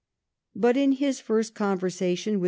f But in his first conversation with M.